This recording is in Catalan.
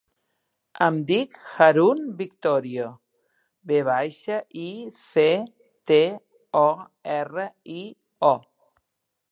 Em dic Haroun Victorio: ve baixa, i, ce, te, o, erra, i, o.